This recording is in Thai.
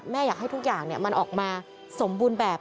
อยากให้ทุกอย่างมันออกมาสมบูรณ์แบบ